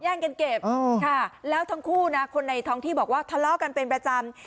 กันเก็บค่ะแล้วทั้งคู่นะคนในท้องที่บอกว่าทะเลาะกันเป็นประจำ